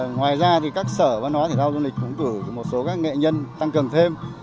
ngoài ra các sở văn hóa thể thao dân lịch cũng cử một số nghệ nhân tăng cường thêm